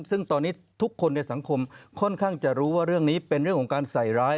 ซึ่งตอนนี้ทุกคนในสังคมค่อนข้างจะรู้ว่าเรื่องนี้เป็นเรื่องของการใส่ร้าย